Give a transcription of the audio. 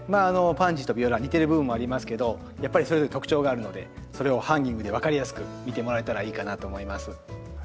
パンジーとビオラ似てる部分もありますけどやっぱりそれぞれ特徴があるのでそれをハンギングで分かりやすく見てもらえたらいいかなと思います。